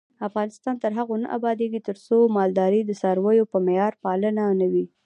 افغانستان تر هغو نه ابادیږي، ترڅو مالداري د څارویو په معیاري پالنه نه وي.